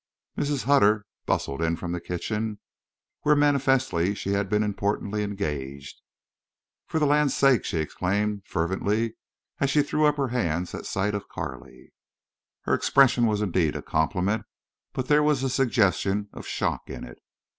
Mrs. Hutter bustled in from the kitchen, where manifestly she had been importantly engaged. "For the land's sakes!" she exclaimed, fervently, as she threw up her hands at sight of Carley. Her expression was indeed a compliment, but there was a suggestion of shock in it.